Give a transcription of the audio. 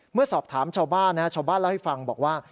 เมื่อสอบถามชาวบ้านชาวบ้านเล่าให้ฟังบอกว่า